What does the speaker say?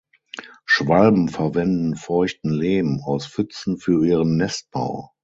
Schwalben verwenden feuchten Lehm aus Pfützen für ihren Nestbau.